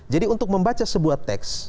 jadi untuk membaca sebuah teks